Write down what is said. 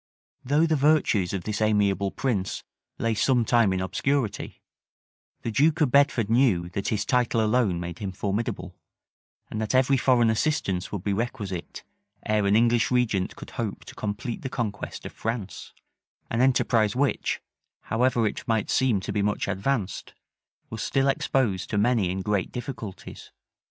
Though the virtues of this amiable prince lay some time in obscurity, the duke of Bedford knew that his title alone made him formidable, and that every foreign assistance would be requisite, ere an English regent could hope to complete the conquest of France; an enterprise which, however it might seem to be much advanced, was still exposed to many and great difficulties.